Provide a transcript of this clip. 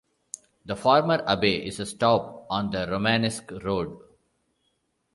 The former abbey is a stop on the Romanesque Road.